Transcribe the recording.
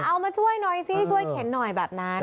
เอามาช่วยหน่อยสิช่วยเข็นหน่อยแบบนั้น